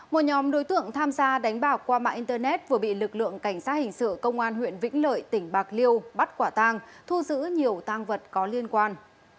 một nhóm đối tượng tham gia đánh bạc qua mạng internet vừa bị lực lượng cảnh sát hình sự công an huyện vĩnh lợi tỉnh bạc liêu bắt quả tang thu giữ nhiều tăng vật có liên quan